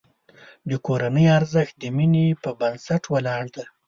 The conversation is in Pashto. د کورنۍ ارزښت د مینې په بنسټ ولاړ دی.